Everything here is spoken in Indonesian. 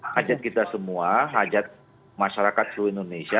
hajat kita semua hajat masyarakat seluruh indonesia